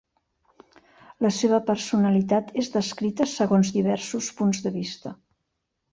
La seva personalitat és descrita segons diversos punts de vista.